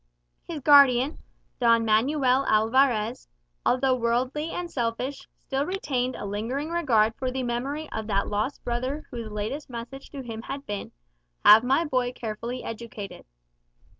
His guardian, Don Manuel Alvarez, although worldly and selfish, still retained a lingering regard for the memory of that lost brother whose latest message to him had been, "Have my boy carefully educated."